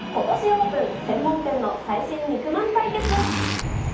オープン、専門店の最新肉まん対決。